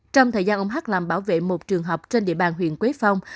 trong thời gian ông h làm bảo vệ một trường hợp trên địa bàn huyện quế phong